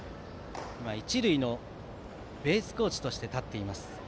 今、一塁のベースコーチとして立っています。